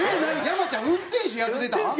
山ちゃん運転手雇ってたん？